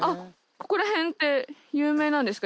ここら辺って有名なんですか？